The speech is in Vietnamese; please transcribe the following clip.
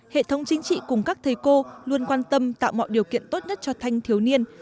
hệ thống chính trị cùng các thầy cô luôn quan tâm tạo mọi điều kiện tốt nhất cho thanh thiếu niên